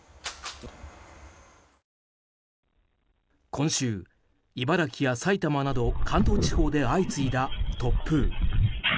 今週、茨城や埼玉など関東地方で相次いだ突風。